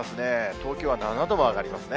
東京は７度も上がりますね。